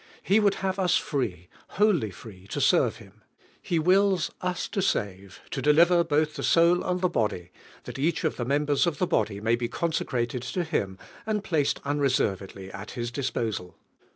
He wonld have us free, wholly free to serve Him. ' He wills tie to save, to del her both the son I and the body, that each of the members of the body may he consecrated to Him and placed unre servedly at His disposal.